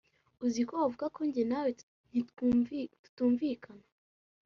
uzi ko bavuga ngo jye namwe ntitwumvikana,